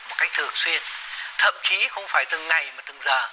một cách thường xuyên thậm chí không phải từng ngày mà từng giờ